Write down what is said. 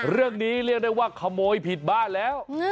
เรื่องนี้เรียกได้ว่าขโมยผิดบ้านแล้ว